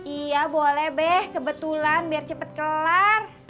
iya boleh be kebetulan biar cepet kelar